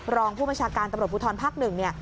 รองผู้ประชาการตำรวจภูทรภักดิ์๑